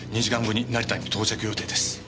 ２時間後に成田に到着予定です。